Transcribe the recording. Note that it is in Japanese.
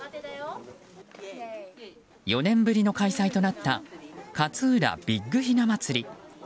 ４年ぶりの開催となったかつうらビッグひな祭り。